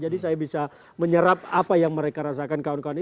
jadi saya bisa menyerap apa yang mereka rasakan kawan kawan